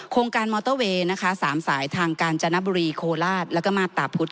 โครงการมอเตอร์เวย์๓สายทางการจานบรีโคลาศแล้วก็มาตราพุธ